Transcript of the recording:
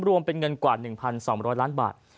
รวมเป็นเงินกว่า๑๒๐๐ล้านบาท